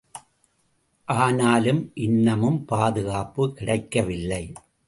ஆனாலும் இன்னமும் பாதுகாப்பு கிடைக்கவில்லை.